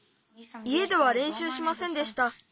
いえではれんしゅうしませんでした。